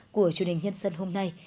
của truyền hình nhân sân hôm nay